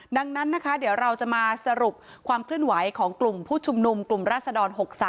ดังนั้นนะคะเดี๋ยวเราจะมาสรุปความเคลื่อนไหวของกลุ่มผู้ชุมนุมกลุ่มราศดร๖๓